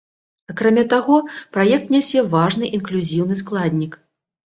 Акрамя таго, праект нясе важны інклюзіўны складнік.